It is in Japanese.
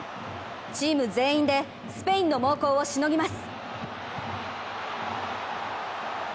チーム全員で、スペインの猛攻をしのぎます。